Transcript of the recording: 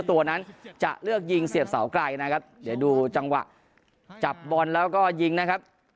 ตัวนั้นจะเลือกยิงเสียบเสาไกลนะครับเดี๋ยวดูจังหวะจับบอลแล้วก็ยิงนะครับ